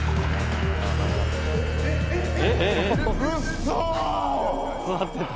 嘘！